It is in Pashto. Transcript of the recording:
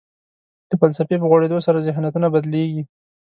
د فلسفې په غوړېدو سره ذهنیتونه بدلېږي.